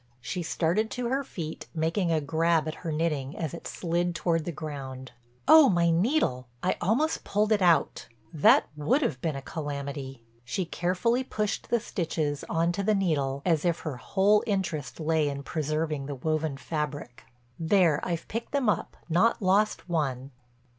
She started to her feet, making a grab at her knitting as it slid toward the ground. "Oh, my needle! I almost pulled it out. That would have been a calamity." She carefully pushed the stitches on to the needle as if her whole interest lay in preserving the woven fabric. "There I've picked them up, not lost one."